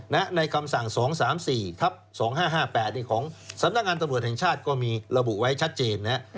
ในคำสั่ง๒๓๔ทับ๒๕๕๘ของสำนักงานตำรวจแห่งชาติก็มีระบุไว้ชัดเจนนะฮะ